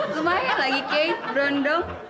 lumayan lagi kek berundung